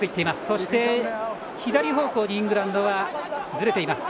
そして、左方向にイングランドはずれています。